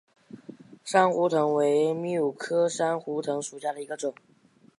珊瑚藤为蓼科珊瑚藤属下的一个种。